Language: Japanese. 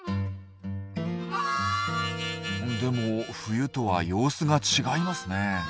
でも冬とは様子が違いますね。